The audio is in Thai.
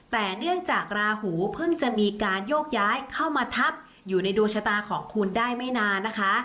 แต่เนื่องจากราหูเพิ่งจะมีการโยกย้ายเข้ามาทับอยู่ในดวงชะตาของคุณได้ไม่นานนะคะ